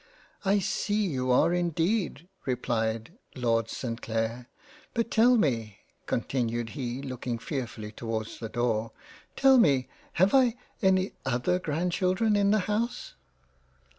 " I see you are indeed ; replied Lord St. Clair — But tell me (continued he looking fearfully towards the Door) tell me, have I any other Grand children in the House."